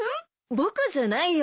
僕じゃないよ